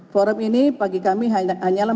forum ini bagi kami hanyalah